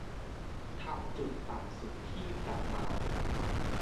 ทำจุดต่ำสุดที่ประมาณ